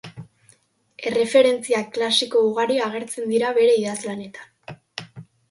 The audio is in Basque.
Erreferentzia klasiko ugari agertzen dira bere idazlanetan.